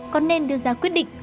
con nên đưa ra quyết định